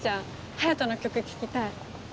隼斗の曲聴きたい。